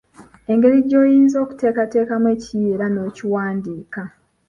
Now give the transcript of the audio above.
Engeri gy’oyinza okuteekateekamu ekiyiiye era n’okiwandiika.